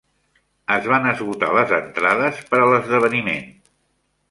Es van esgotar les entrades per a l'esdeveniment.